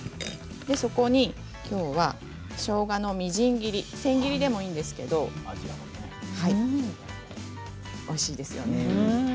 そこにきょうは、しょうがのみじん切り千切りでもいいんですけれどおいしいですよね。